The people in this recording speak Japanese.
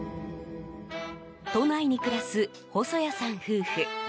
都内に暮らす細谷さん夫婦。